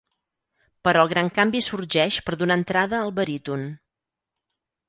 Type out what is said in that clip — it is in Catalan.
Però el gran canvi sorgeix per donar entrada al baríton.